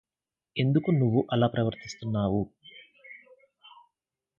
ఎందుకు నువ్వు అలా ప్రవర్తిస్తున్నావు?